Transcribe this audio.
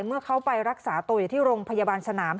เมื่อเขาไปรักษาตัวอยู่ที่โรงพยาบาลสนาม